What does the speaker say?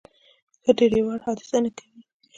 ښه ډرایور حادثه نه کوي.